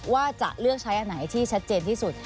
ว่าจะเลือกใช้อันไหนที่ชัดเจนที่สุด